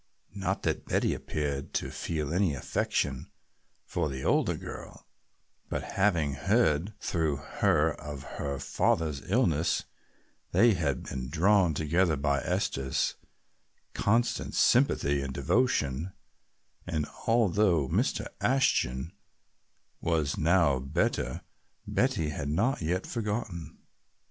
Not that Betty appeared to feel any affection for the older girl, but having heard through her of her father's illness they had been drawn together by Esther's constant sympathy and devotion, and although Mr. Ashton was now better Betty had not yet forgotten.